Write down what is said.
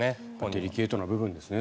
デリケートな部分ですね。